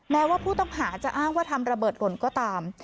แม้ว่าผู้ต้องหาจะอ้างว่าทำระเบิดหล่นก็ตาม